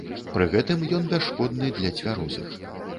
Пры гэтым ён бясшкодны для цвярозых.